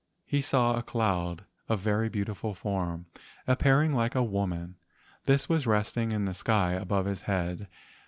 He saw a cloud of very beautiful form, appearing like a woman. This was resting in the sky above his head.